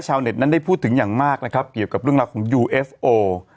เน็ตนั้นได้พูดถึงอย่างมากนะครับเกี่ยวกับเรื่องราวของยูเอฟโอ